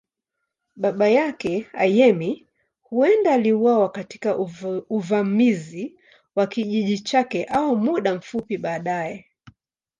Baba yake, Ayemi, huenda aliuawa katika uvamizi wa kijiji chake au muda mfupi baadaye.